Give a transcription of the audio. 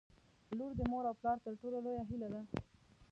• لور د مور او پلار تر ټولو لویه هیله ده.